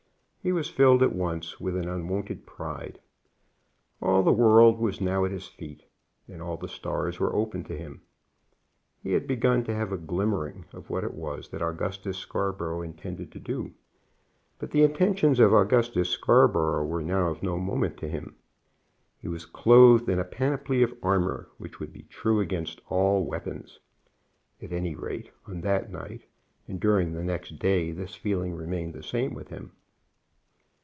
He was filled at once with an unwonted pride. All the world was now at his feet, and all the stars were open to him. He had begun to have a glimmering of what it was that Augustus Scarborough intended to do; but the intentions of Augustus Scarborough were now of no moment to him. He was clothed in a panoply of armor which would be true against all weapons. At any rate, on that night and during the next day this feeling remained the same with him.